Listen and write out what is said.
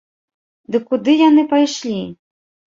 Дык куды яны пайшлі?